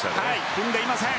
踏んでいません。